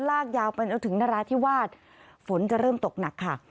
ลากยาวไปจนถึงนราธิวาสฝนจะเริ่มตกหนักค่ะ